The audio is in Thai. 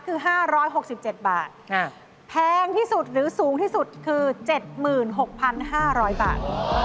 คือ๕๖๗บาทแพงที่สุดหรือสูงที่สุดคือ๗๖๕๐๐บาท